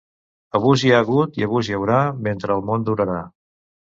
Abús hi ha hagut i abús hi haurà, mentre el món durarà.